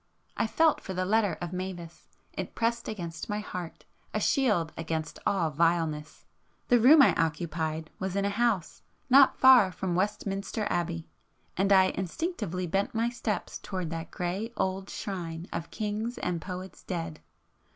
I felt for the letter of Mavis,—it pressed against my heart, a shield against all vileness. The room I occupied was in a house not far from Westminster Abbey, and I instinctively bent my steps towards that grey old shrine of kings and poets dead.